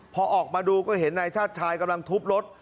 พอออกมาดูก็เห็นนายชาติชายกำลังทุบรถ